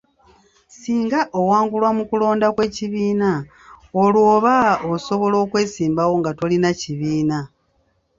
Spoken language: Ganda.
Singa owangulwa mu kulonda kw'ekibiina olwo oba osobola okwesimbawo nga tolina kibiina.